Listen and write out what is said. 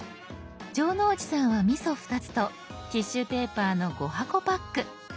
城之内さんはみそ２つとティッシュペーパーの５箱パック。